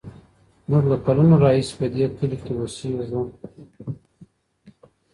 موږ له کلونو راهیسې په دې کلي کې اوسېږو.